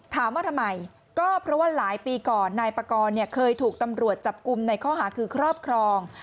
ถามว่าทำไมก็เพราะว่าหลายปีก่อนนายปากรเคยถูกตำรวจจับกลุ่มในข้อหาคือครอบครอง